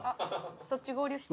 そっち合流して。